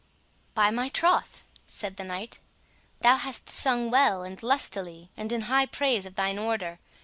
"By my troth," said the knight, "thou hast sung well and lustily, and in high praise of thine order.